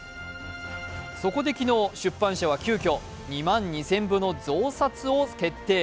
そこで昨日、出版社は急きょ２万２０００部の増刷を決定。